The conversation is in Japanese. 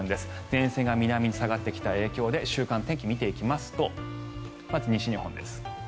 前線が南に下がってきた影響で週間天気を見てみますとまず西日本です。